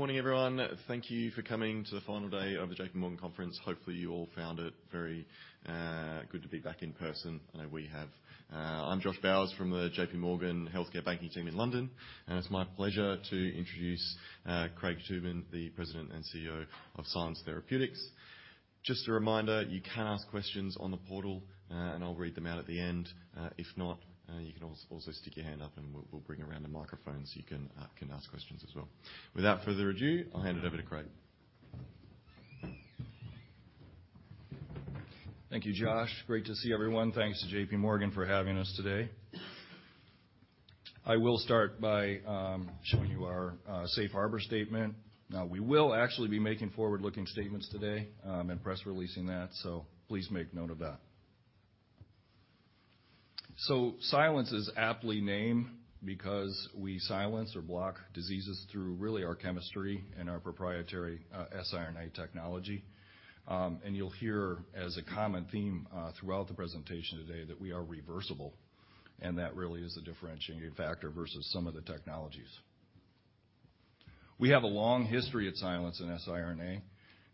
Good morning, everyone. Thank you for coming to the final day of the JP Morgan conference. Hopefully, you all found it very good to be back in person. I know we have. I'm Josh Bowers from the JP Morgan Healthcare Banking team in London, and it's my pleasure to introduce Craig Tooman, the President and CEO of Silence Therapeutics. Just a reminder, you can ask questions on the portal, and I'll read them out at the end. If not, you can also stick your hand up and we'll bring around a microphone so you can ask questions as well. Without further ado, I'll hand it over to Craig. Thank you, Josh. Great to see everyone. Thanks to J.P. Morgan for having us today. I will start by showing you our safe harbor statement. We will actually be making forward-looking statements today and press releasing that, please make note of that. Silence is aptly named because we silence or block diseases through really our chemistry and our proprietary siRNA technology. You'll hear as a common theme throughout the presentation today that we are reversible, that really is a differentiating factor versus some of the technologies. We have a long history at Silence in siRNA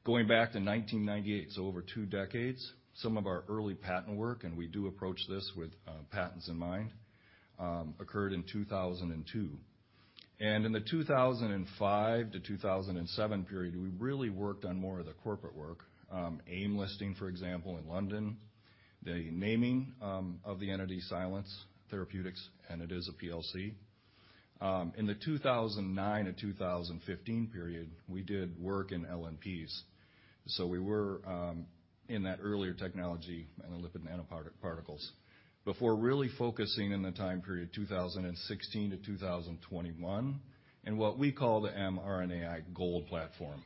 going back to 1998, over two decades. Some of our early patent work, we do approach this with patents in mind, occurred in 2002. In the 2005-2007 period, we really worked on more of the corporate work. AIM listing, for example, in London, the naming of the entity Silence Therapeutics, and it is a PLC. In the 2009-2015 period, we did work in LNPs. We were in that earlier technology in the lipid nanoparticles before really focusing in the time period 2016-2021 in what we call the mRNAi GOLD platform.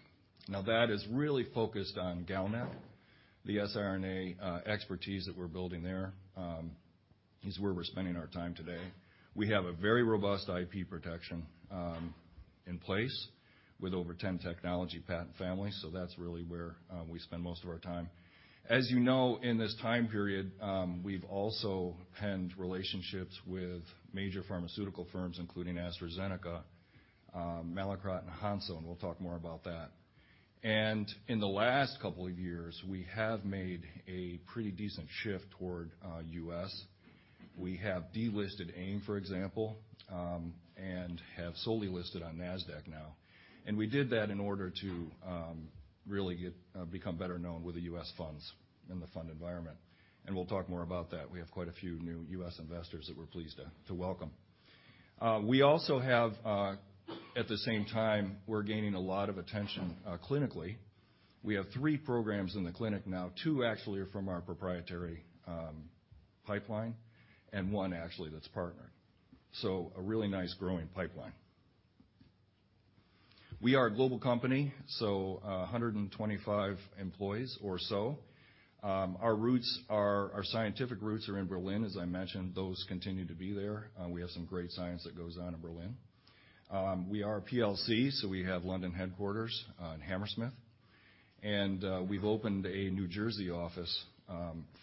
That is really focused on GalNAc. The siRNA expertise that we're building there is where we're spending our time today. We have a very robust IP protection in place with over 10 technology patent families, that's really where we spend most of our time. As you know, in this time period, we've also penned relationships with major pharmaceutical firms, including AstraZeneca, Mallinckrodt, and Hansoh, and we'll talk more about that. In the last couple of years, we have made a pretty decent shift toward U.S. We have delisted AIM, for example, and have solely listed on Nasdaq now. We did that in order to really get become better known with the U.S. funds in the fund environment, and we'll talk more about that. We have quite a few new U.S. investors that we're pleased to welcome. We also have, at the same time, we're gaining a lot of attention clinically. We have three programs in the clinic now. Two actually are from our proprietary pipeline and one actually that's partnered, a really nice growing pipeline. We are a global company, 125 employees or so. Our scientific roots are in Berlin, as I mentioned. Those continue to be there. We have some great science that goes on in Berlin. We are a PLC, we have London headquarters in Hammersmith. We've opened a New Jersey office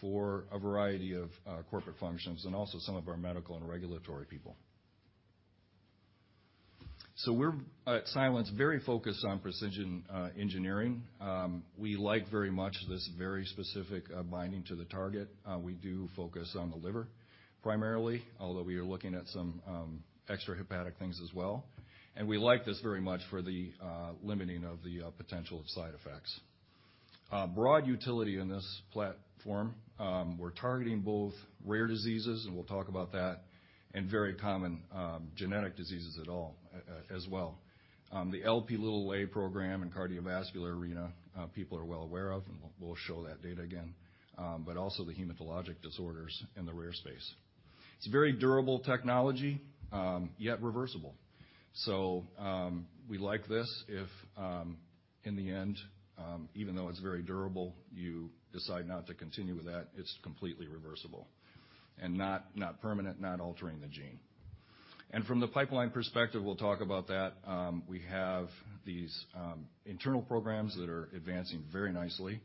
for a variety of corporate functions and also some of our medical and regulatory people. We're, at Silence, very focused on precision engineering. We like very much this very specific binding to the target. We do focus on the liver primarily, although we are looking at some extrahepatic things as well. We like this very much for the limiting of the potential of side effects. Broad utility in this platform. We're targeting both rare diseases, and we'll talk about that, and very common genetic diseases at all as well. The Lp program in cardiovascular arena, people are well aware of, and we'll show that data again, but also the hematologic disorders in the rare space. It's a very durable technology, yet reversible. We like this if in the end, even though it's very durable, you decide not to continue with that, it's completely reversible and not permanent, not altering the gene. From the pipeline perspective, we'll talk about that. We have these internal programs that are advancing very nicely,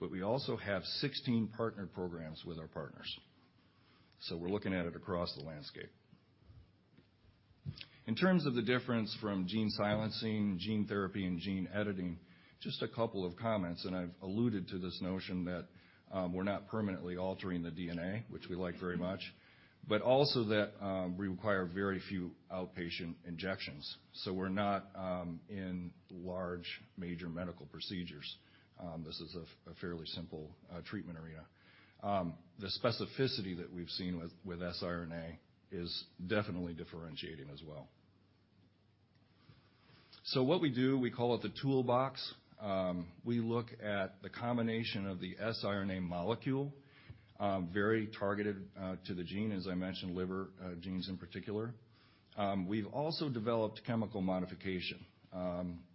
but we also have 16 partnered programs with our partners. We're looking at it across the landscape. In terms of the difference from gene silencing, gene therapy, and gene editing, just a couple of comments, and I've alluded to this notion that, we're not permanently altering the DNA, which we like very much, but also that, we require very few outpatient injections. We're not in large major medical procedures. This is a fairly simple treatment area. The specificity that we've seen with siRNA is definitely differentiating as well. What we do, we call it the toolbox. We look at the combination of the siRNA molecule, very targeted to the gene, as I mentioned, liver genes in particular. We've also developed chemical modification,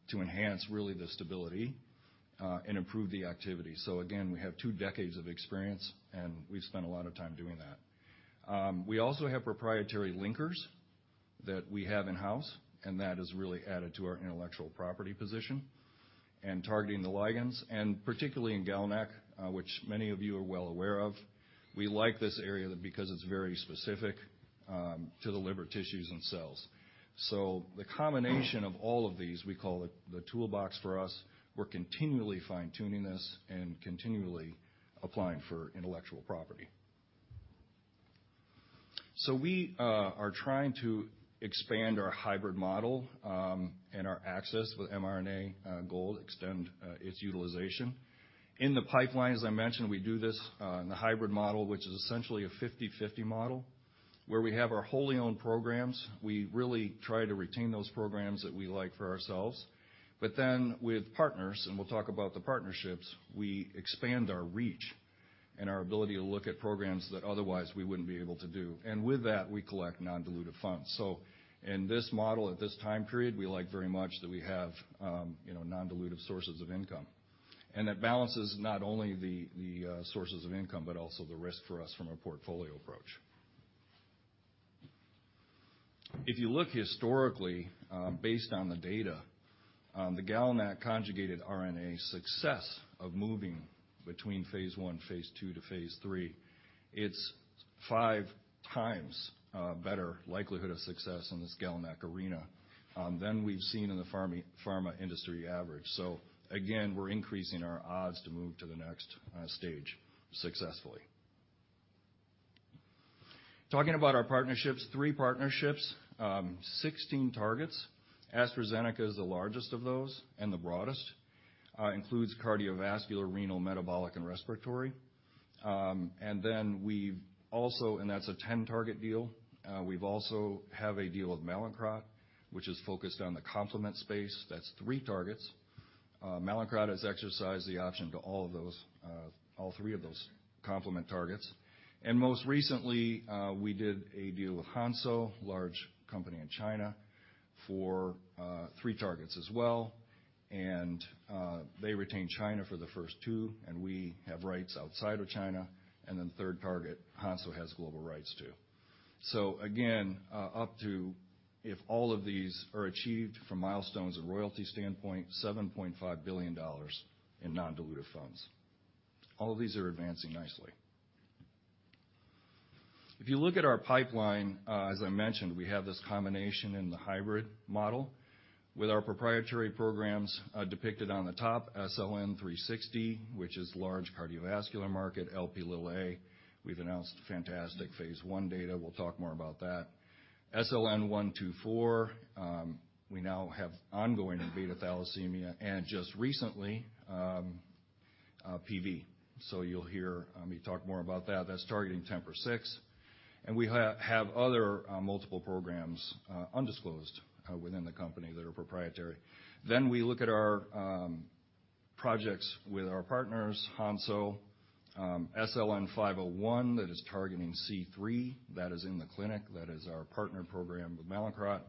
to enhance really the stability and improve the activity. Again, we have two decades of experience, and we've spent a lot of time doing that. We also have proprietary linkers that we have in-house, and that has really added to our intellectual property position. Targeting the ligands, and particularly in GalNAc, which many of you are well aware of. We like this area because it's very specific to the liver tissues and cells. The combination of all of these, we call it the toolbox for us. We're continually fine-tuning this and continually applying for intellectual property. We are trying to expand our hybrid model and our access with mRNA GOLD, extend its utilization. In the pipeline, as I mentioned, we do this in the hybrid model, which is essentially a 50/50 model, where we have our wholly owned programs. We really try to retain those programs that we like for ourselves. With partners, and we'll talk about the partnerships, we expand our reach and our ability to look at programs that otherwise we wouldn't be able to do. With that, we collect non-dilutive funds. In this model, at this time period, we like very much that we have, you know, non-dilutive sources of income. That balances not only the sources of income, but also the risk for us from a portfolio approach. If you look historically, based on the data, the GalNAc conjugated RNA success of moving between phase I, phase II to phase III, it's 5 times better likelihood of success in this GalNAc arena than we've seen in the pharma industry average. Again, we're increasing our odds to move to the next stage successfully. Talking about our partnerships, 3 partnerships, 16 targets. AstraZeneca is the largest of those and the broadest. Includes cardiovascular, renal, metabolic, and respiratory. That's a 10-target deal. We've also have a deal with Mallinckrodt, which is focused on the complement space. That's 3 targets. Mallinckrodt has exercised the option to all of those, all 3 of those complement targets. Most recently, we did a deal with Hansoh, large company in China, for 3 targets as well. They retained China for the first 2, and we have rights outside of China. The third target, Hansoh has global rights too. Again, up to, if all of these are achieved from milestones and royalty standpoint, $7.5 billion in non-dilutive funds. All of these are advancing nicely. If you look at our pipeline, as I mentioned, we have this combination in the hybrid model with our proprietary programs, depicted on the top, SLN360, which is large cardiovascular market, Lp(a). We've announced fantastic phase I data. We'll talk more about that. SLN124, we now have ongoing in beta-thalassemia, and just recently, PV. You'll hear me talk more about that. That's targeting TMPRSS6. We have other multiple programs undisclosed within the company that are proprietary. We look at our projects with our partners, Hansoh, SLN501 that is targeting C3. That is in the clinic. That is our partner program with Mallinckrodt.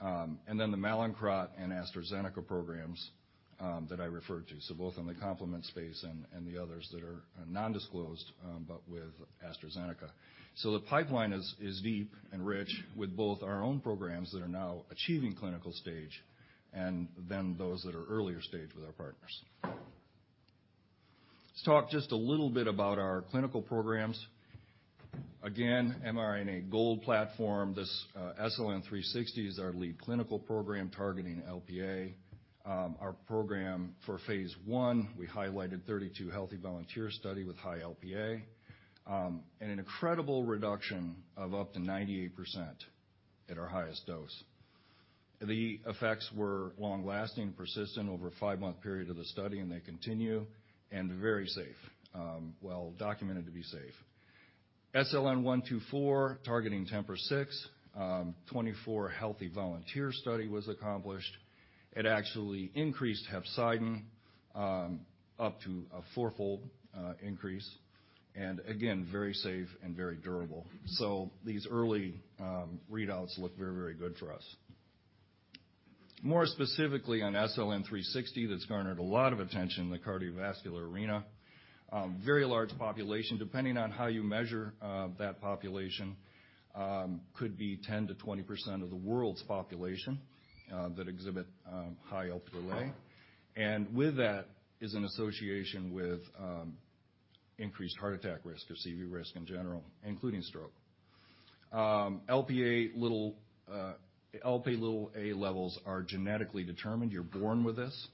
The Mallinckrodt and AstraZeneca programs that I referred to. Both in the complement space and the others that are non-disclosed with AstraZeneca. The pipeline is deep and rich with both our own programs that are now achieving clinical stage, and then those that are earlier stage with our partners. Let's talk just a little bit about our clinical programs. Again, mRNAi GOLD™ platform. This SLN360 is our lead clinical program targeting Lp(a). Our program for phase I, we highlighted 32 healthy volunteer study with high Lp(a). And an incredible reduction of up to 98% at our highest dose. The effects were long-lasting, persistent over a 5-month period of the study, and they continue, and very safe, well documented to be safe. SLN124, targeting TMPRSS6, 24 healthy volunteer study was accomplished. It actually increased hepcidin up to a 4-fold increase. And again, very safe and very durable. These early readouts look very, very good for us. More specifically on SLN360, that's garnered a lot of attention in the cardiovascular arena. A very large population, depending on how you measure, that population, could be 10%-20% of the world's population, that exhibit, high Lp(a). With that is an association with, increased heart attack risk or CV risk in general, including stroke. Lp(a) levels are genetically determined. You're born with this.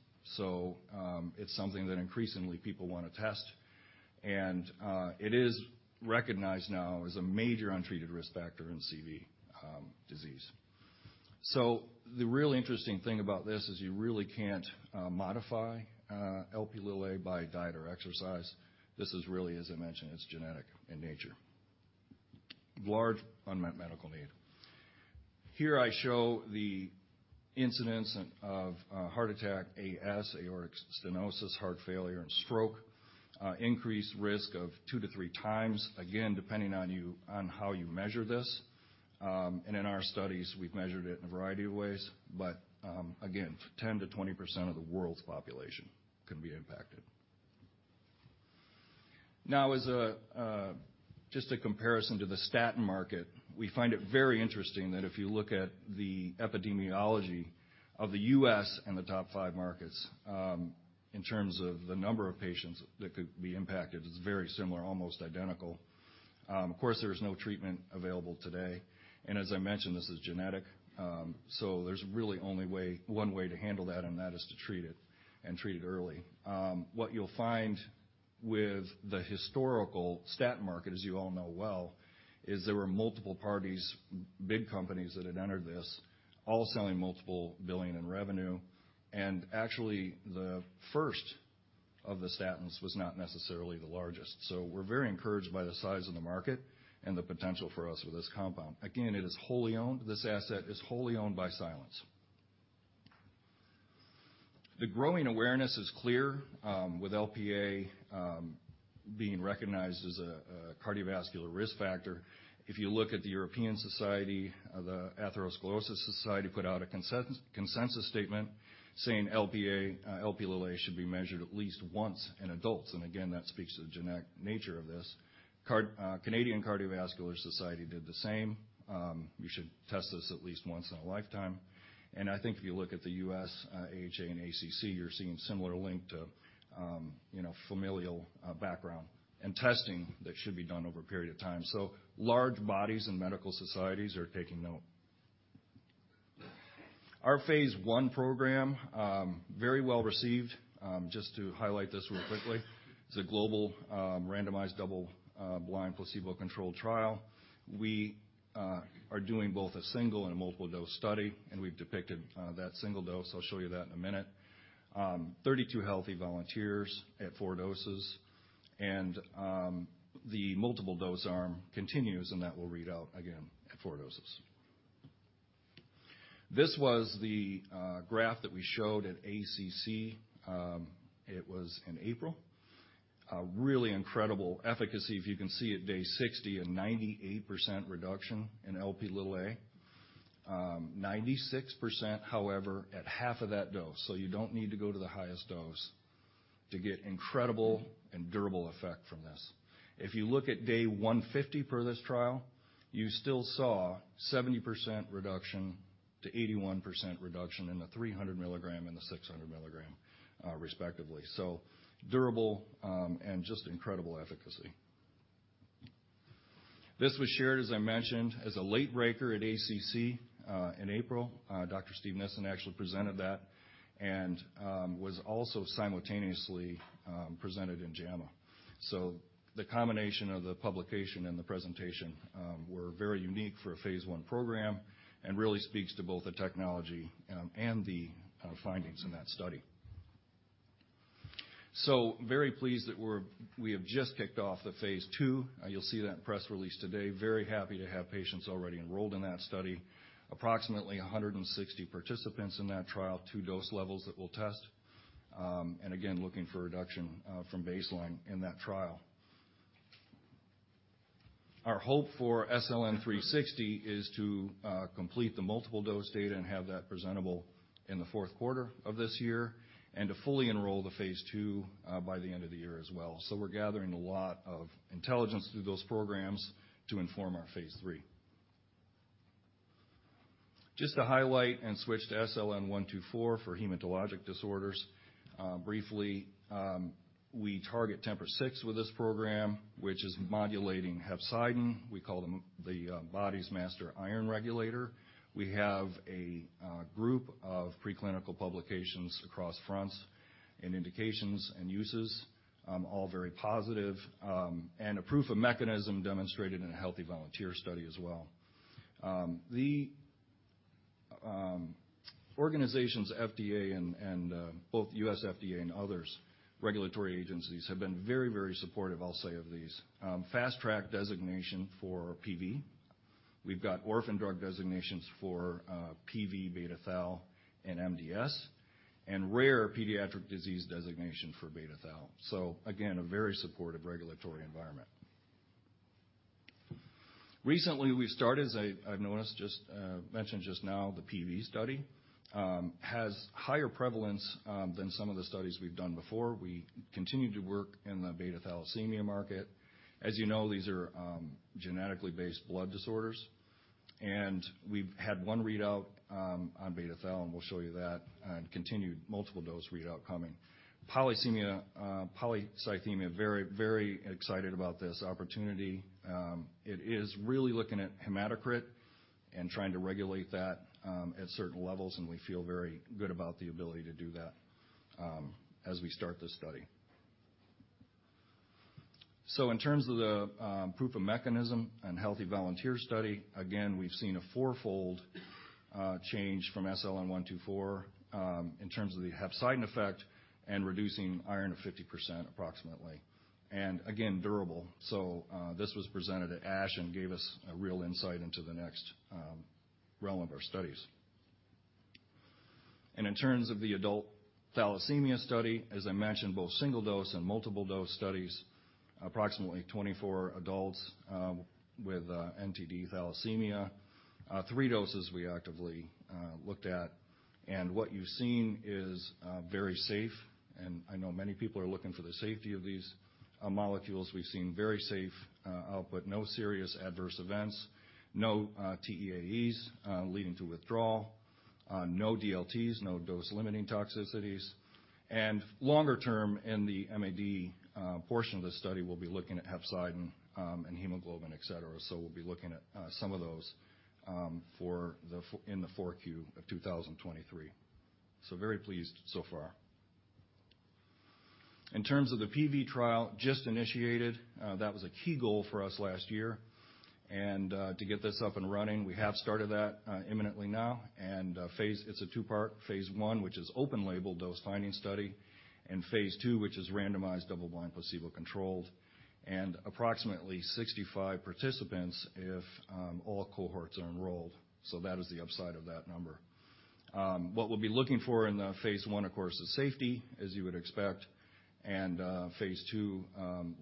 It's something that increasingly people wanna test. It is recognized now as a major untreated risk factor in CV disease. The really interesting thing about this is you really can't, modify, Lp(a) by diet or exercise. This is really, as I mentioned, it's genetic in nature. Large unmet medical need. Here I show the incidence of heart attack, AS, aortic stenosis, heart failure, and stroke. Increased risk of 2 to 3 times, again, depending on how you measure this. In our studies, we've measured it in a variety of ways. Again, 10% to 20% of the world's population can be impacted. As a just a comparison to the statin market, we find it very interesting that if you look at the epidemiology of the US and the top 5 markets, in terms of the number of patients that could be impacted, it's very similar, almost identical. Of course, there is no treatment available today. As I mentioned, this is genetic. There's really only one way to handle that, and that is to treat it and treat it early. What you'll find with the historical statin market, as you all know well, is there were multiple parties, big companies that had entered this, all selling multiple billion in revenue. Actually, the first of the statins was not necessarily the largest. We're very encouraged by the size of the market and the potential for us with this compound. Again, it is wholly owned. This asset is wholly owned by Silence. The growing awareness is clear, with Lp being recognized as a cardiovascular risk factor. If you look at the European Atherosclerosis Society put out a consensus statement saying Lp should be measured at least once in adults. Again, that speaks to the genetic nature of this. Canadian Cardiovascular Society did the same. You should test this at least once in a lifetime. I think if you look at the U.S., AHA and ACC, you're seeing similar link to familial background and testing that should be done over a period of time. Large bodies and medical societies are taking note. Our phase I program, very well received. Just to highlight this real quickly. It's a global, randomized double-blind placebo-controlled trial. We are doing both a single and a multiple-dose study, and we've depicted that single dose. I'll show you that in a minute. 32 healthy volunteers at 4 doses. The multiple-dose arm continues, and that will read out again at 4 doses. This was the graph that we showed at ACC. It was in April. A really incredible efficacy, if you can see at day 60, a 98% reduction in Lp(a). 96%, however, at half of that dose. You don't need to go to the highest dose to get incredible and durable effect from this. If you look at day 150 per this trial, you still saw 70% reduction to 81% reduction in the 300 milligram and the 600 milligram, respectively. Durable and just incredible efficacy. This was shared, as I mentioned, as a late breaker at ACC in April. Dr. Steven Nissen actually presented that and was also simultaneously presented in JAMA. The combination of the publication and the presentation were very unique for a phase I program and really speaks to both the technology and the findings in that study. Very pleased that we have just kicked off the phase II. You'll see that in press release today. Very happy to have patients already enrolled in that study. Approximately 160 participants in that trial, two dose levels that we'll test. Again, looking for reduction from baseline in that trial. Our hope for SLN360 is to complete the multiple dose data and have that presentable in the fourth quarter of this year and to fully enroll the phase II by the end of the year as well. We're gathering a lot of intelligence through those programs to inform our phase III. Just to highlight and switch to SLN124 for hematologic disorders. Briefly, we target TMPRSS6 with this program, which is modulating hepcidin. We call them the body's master iron regulator. We have a group of preclinical publications across fronts and indications and uses, all very positive, and a proof of mechanism demonstrated in a healthy volunteer study as well. The organization's FDA and both US FDA and others, regulatory agencies, have been very, very supportive, I'll say, of these. Fast Track designation for PV. We've got Orphan Drug Designations for PV, beta-thal, and MDS, and Rare Pediatric Disease Designation for beta-thal. Again, a very supportive regulatory environment. Recently, we started, as I've mentioned just now, the PV study, has higher prevalence than some of the studies we've done before. We continue to work in the beta-thalassemia market. As you know, these are genetically based blood disorders. We've had one readout on beta-thal, and we'll show you that, and continued multiple dose readout coming. Polycythemia, very excited about this opportunity. It is really looking at hematocrit and trying to regulate that at certain levels, and we feel very good about the ability to do that as we start this study. In terms of the proof of mechanism and healthy volunteer study, again, we've seen a fourfold change from SLN124 in terms of the hepcidin effect and reducing iron to 50% approximately. Again, durable. This was presented at ASH and gave us a real insight into the next realm of our studies. In terms of the adult thalassemia study, as I mentioned, both single dose and multiple dose studies, approximately 24 adults with NTD thalassemia. 3 doses we actively looked at. What you've seen is very safe, and I know many people are looking for the safety of these molecules. We've seen very safe output, no serious adverse events, no TEAEs leading to withdrawal, no DLTs, no dose-limiting toxicities. Longer term, in the MAD portion of this study, we'll be looking at hepcidin and hemoglobin, et cetera. We'll be looking at some of those in the 4Q of 2023. Very pleased so far. In terms of the PV trial, just initiated. That was a key goal for us last year and to get this up and running. We have started that imminently now and phase... It's a 2-part phase I, which is open label dose-finding study, and phase II, which is randomized double-blind placebo-controlled, and approximately 65 participants if all cohorts are enrolled. That is the upside of that number. What we'll be looking for in the phase I, of course, is safety, as you would expect. Phase II,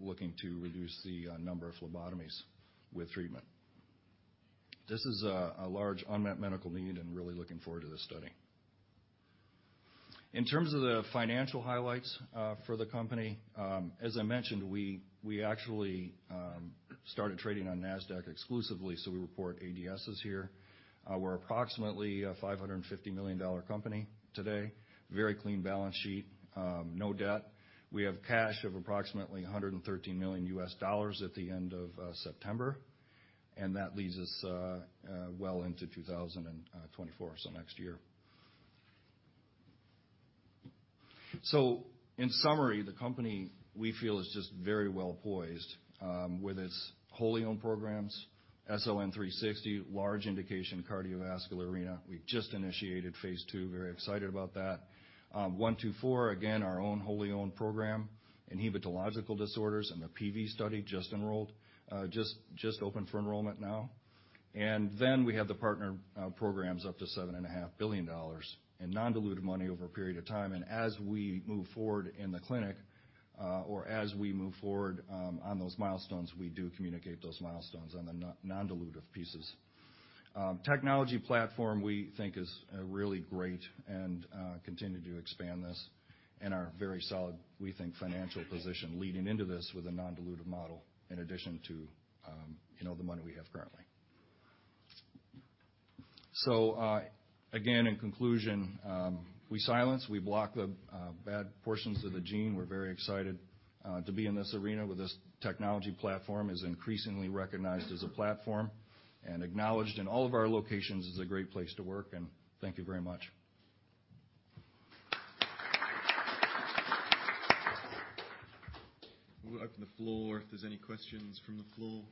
looking to reduce the number of phlebotomies with treatment. This is a large unmet medical need and really looking forward to this study. In terms of the financial highlights for the company, as I mentioned, we actually started trading on Nasdaq exclusively, so we report ADSs here. We're approximately a $550 million company today. Very clean balance sheet, no debt. We have cash of approximately $113 million at the end of September. That leads us well into 2024, so next year. In summary, the company, we feel, is just very well poised with its wholly owned programs. SLN360, large indication cardiovascular arena. We just initiated phase II. Very excited about that. SLN124, again, our own wholly owned program. Hematological disorders and the PV study just open for enrollment now. Then we have the partner programs up to $7.5 billion in non-dilutive money over a period of time. As we move forward in the clinic, or as we move forward on those milestones, we do communicate those milestones on the non-dilutive pieces. Technology platform we think is really great and continue to expand this and are very solid, we think financial position leading into this with a non-dilutive model in addition to, you know, the money we have currently. Again, in conclusion, we silence, we block the bad portions of the gene. We're very excited to be in this arena with this technology platform. Is increasingly recognized as a platform and acknowledged in all of our locations as a great place to work. Thank you very much. We'll open the floor if there's any questions from the floor.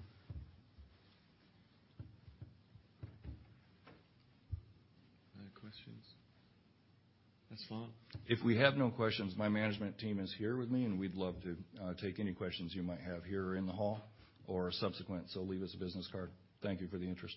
Any questions? That's fine. If we have no questions, my management team is here with me, and we'd love to take any questions you might have here or in the hall or subsequent, so leave us a business card. Thank you for the interest.